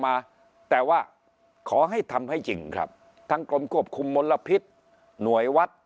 มาแต่ว่าขอให้ทำให้จริงครับทั้งกรมควบคุมมลพิษหน่วยวัด